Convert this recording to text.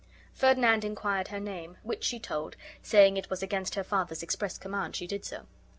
Ferdinand inquired her name, which she told, saying it was against her father's express command she did so.